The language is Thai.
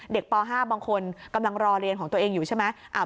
ป๕บางคนกำลังรอเรียนของตัวเองอยู่ใช่ไหม